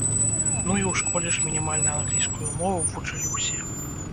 Ну, і ў школе ж мінімальна англійскую мову вучылі ўсе.